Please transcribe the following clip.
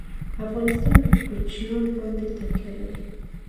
افغانستان په کوچیان باندې تکیه لري.